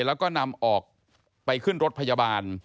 แล้วก็นำออกไปขึ้นรถพยาบาล